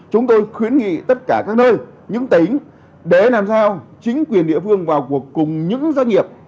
chúng tôi khuyến nghị tất cả các nơi những tỉnh để làm sao chính quyền địa phương vào cuộc cùng những doanh nghiệp